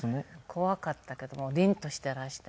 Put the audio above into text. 怖かったけども凜としてらしてね。